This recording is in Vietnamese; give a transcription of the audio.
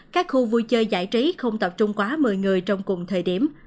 các khu vui chơi giải trí không tập trung quá một mươi người trong cùng thời điểm